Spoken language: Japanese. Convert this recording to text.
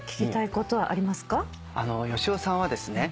芳雄さんはですね